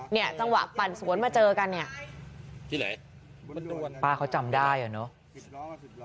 เนี่ยจังหวะปั่นสวนมาเจอกันเนี่ยที่ไหนป้าเขาจำได้อ่ะเนอะ